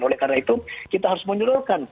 oleh karena itu kita harus menyuruhkan